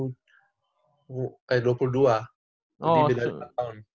jadi beda berapa tahun